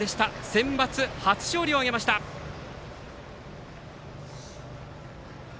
センバツ初勝利を挙げました専大松戸。